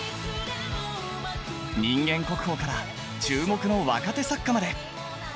人間国宝から注目の若手作家まで。